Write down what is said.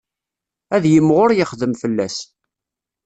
Ad yimɣur yexdem fell-as.